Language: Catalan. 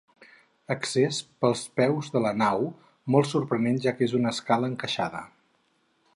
Accés, pels peus de la nau, molt sorprenent, ja que és una escala encaixada.